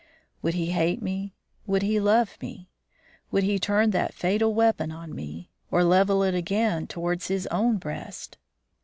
Would he hate me? Would he love me? Would he turn that fatal weapon on me, or level it again towards his own breast?